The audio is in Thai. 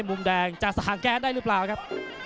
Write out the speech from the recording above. มุมแดงจะสาแก๊สได้หรือเปล่าครับ